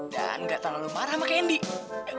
dan gak terlalu marah sama candy